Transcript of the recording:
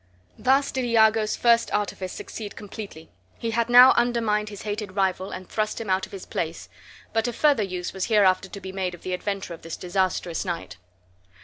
Thus did Iago's first artifice succeed completely; he had now undermined his hated rival and thrust him, out of his place; but a further use was hereafter to be made of the adventure of this disastrous night.